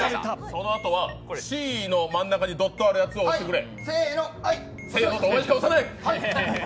そのあとはＣの真ん中にドットあるやつを押してくれ。